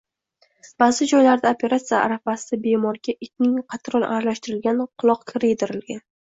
Ba’zi joylarda operatsiya arafasida bemorga itning qatron aralashtirilgan quloq kiri yedirilgan